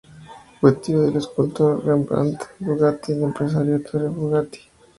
Fue tío del escultor Rembrandt Bugatti y del empresario Ettore Bugatti.